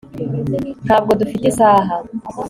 ntabwo dufite isaha